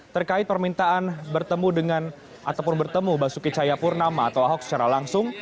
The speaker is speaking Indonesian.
terkait permintaan bertemu dengan ataupun bertemu basuki cahayapurnama atau ahok secara langsung